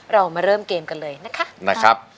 เรามาเริ่มเกมกันเลยนะคะ